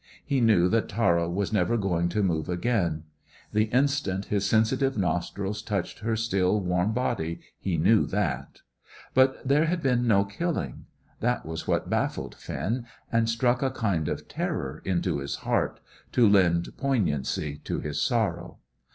He knew that Tara was never going to move again; the instant his sensitive nostrils touched her still, warm body he knew that. But there had been no killing. That was what baffled Finn, and struck a kind of terror into his heart, to lend poignancy to his sorrow.